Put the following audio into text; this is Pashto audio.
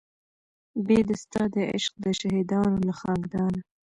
بې د ستا د عشق د شهیدانو له خاکدانه